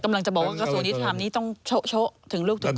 กำลังจะบอกว่ากระทรวงยุทธรรมนี้ต้องโช๊ะถึงลูกถึง